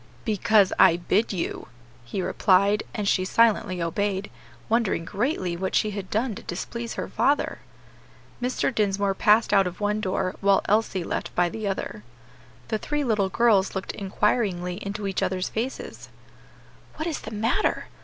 "Because I bid you," he replied; and she silently obeyed, wondering greatly what she had done to displease her father. Mr. Dinsmore passed out of one door while Elsie left by the other. The three little girls looked inquiringly into each other's faces. "What is the matter?